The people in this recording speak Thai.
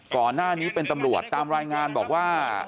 ก่อนหน้านี้เป็นตำรวจตามรายงานบอกว่า